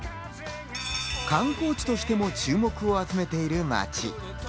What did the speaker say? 観光地としても注目を集めている街。